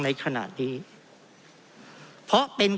เพราะเรามี๕ชั่วโมงครับท่านนึง